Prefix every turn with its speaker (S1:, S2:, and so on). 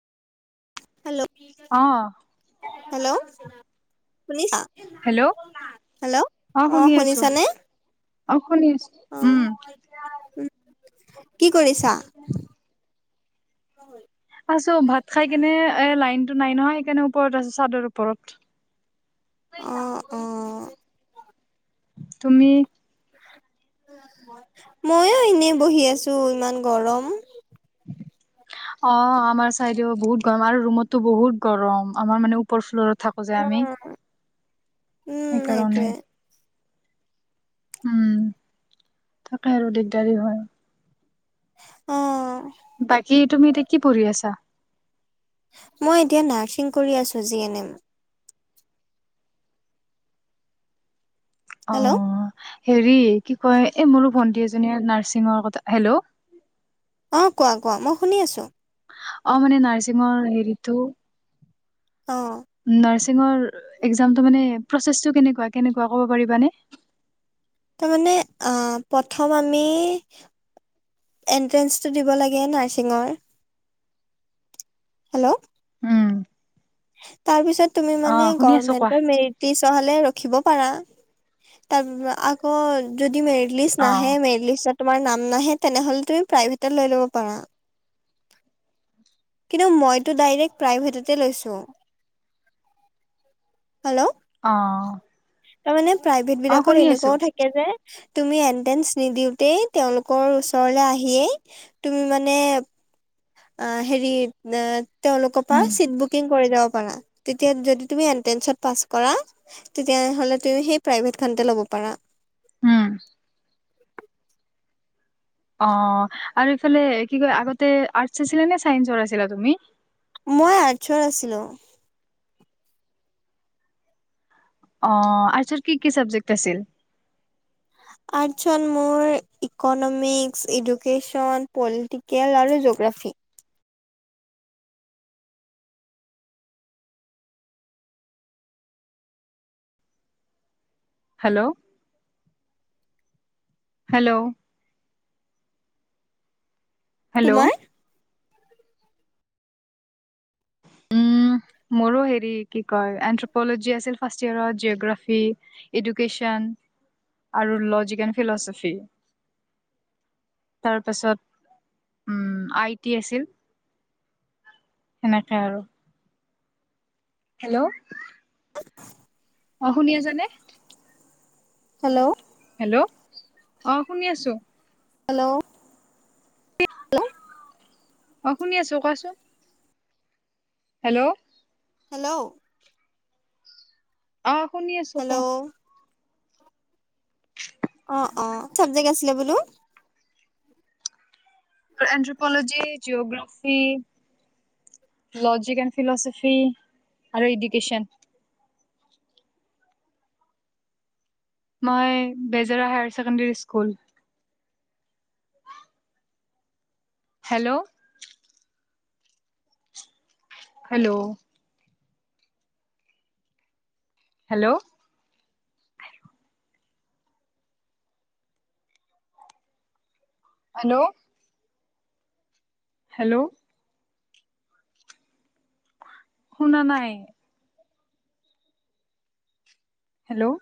S1: Hello?
S2: অ'।
S1: Hello শুনিছা?
S2: Hello
S1: hello
S2: অ, শুনি আছো, অ, শুনি আছো
S1: অ
S2: উম।
S1: কি কৰিছা?
S2: আছো ভাত খাই কেনে এ লাইন টো নাই নহয়, সেইকাৰণে ওপৰত আছো চাদৰ ওপৰত।
S1: অ অ
S2: তুমি'?
S1: ময়ো এনে বহি আছো ইমান গৰম।
S2: অ, আমাৰ চাইদেউ বহুত গৰম, আৰু ৰুমতটো বহুত গৰম আমাৰ মানে। ওপৰ্ল'ৰত থাকোঁ যে আমি
S1: উম
S2: সেইকাৰনে।
S1: সেইটোয়ে
S2: উম, তাকে আৰু দিগদাৰি হয়।
S1: অ'।
S2: বাকী তুমি এতিয়া কি পঢ়ি আছা?
S1: মই এতিয়া নাৰ্ছিং কৰি আছোঁ যি এনে।
S2: অ,
S1: হেল্ল'
S2: হেৰি কি কয় এই মোৰো ভন্টি এজনীয়ে নাৰ্ছিঙৰ কথা হেল্ল'?
S1: অ, কোৱা-কোৱা মই শুনি আছোঁ।
S2: অ, মানে নাৰসিংঙৰ হেৰিতো।
S1: অ'।
S2: নাৰ্ছিঙৰ এক্সামটো মানে, প্ৰচেছটো কেনেকুৱা- কেনেকুৱা ক'ব পাৰিবানে?
S1: তাৰমানে আহ প্ৰথম আমি এণ্ট্ৰেঞ্চটো দিব লাগে নাৰ্ছিঙৰ। হেল্ল'?
S2: উম।
S1: তাৰ পিছত তুমি মানে
S2: অ' শুনি আছো কোৱা।
S1: গভমেণ্টৰ মেৰিট পিছৰ হলে ৰখিব পাৰা তাৰ আ যদি মেলিছ নাহে
S2: অ'
S1: মেলিষ্ট তোমাৰ নাম নাহে, তেনেহলে তুমি প্ৰাইভেটত লৈ ল'ব পাৰা। কিন্তু মইতো ডাইৰেক্ট প্ৰাইভেটতে লৈছো হেল্ল'?
S2: অ'।
S1: তাৰ মানে প্ৰাইভেট
S2: অ',
S1: বিলাকত
S2: শুনি আছো।
S1: এনেকুৱও থাকে। যে তুমি এন্ট্ৰেন্ঞ্চ নিদিওতে তেওঁলোকৰ ওচৰলে আহিয়েই'। তুমি মানে অ, হেৰি তেওঁলোকৰ পৰা
S2: উম,
S1: চিট বুকিং কৰি যাব পাৰা। তেতিয়া য তুমি এনট্ৰেত পাছ কৰা, তেতিয়ালে তুমি সেই প্ৰ খ ল'ব পাৰা।
S2: হম'। অ, আৰু এইফালে কি কয় আগতে আৰ্টচ আছিলে নে চাইন্সৰ আছিলা তুমি?
S1: মই আৰ্চত আছিলোঁ।
S2: অ, তাৰপিছত কি, কি চাবজেক্ট আছিল?
S1: আৰ্টছ মোৰ ইকনমিক্স, এডুকেশ্যন, পলিটিকেল, আৰু জগ্ৰাফী।
S2: হেল্ল'? হেল্ল'? হেল্ল'।
S1: তোমাৰ? [inaudible]
S2: মোৰো হেৰি কি কয় এন্থ্ৰপলজী আছিল ফাস্তিয়াৰৰ জিঅগ্ৰাফী। এডুকেশ্যন আৰু লজিক এণ্ড ফিলচফি। তাৰ পাছত উম, আই টি আছিল। সেনেকে আৰু। হেল্ল'?
S1: [inaudible]
S2: অ, অতাৰসমূহৰ শুনি আছানে।
S1: হেল্ল'?
S2: হেল্ল' অ, শুনি আছো।
S1: হেল্ল'?
S2: অ, শুনি আছো কোৱাচোন। হেল্ল'?
S1: হেল্ল'?
S2: অ, শুনি আছো ক।
S1: হেল্ল' অ', অ', অ', চাবজেক্ট আছিলে বোলো।
S2: Anthropology geography. Logic and philosophy আৰু এডুকেশ্যন। মই Bezera higher secondary school. Hello! Hello! Hello! Hello! Hello! শুনা নাই! হেল্ল'!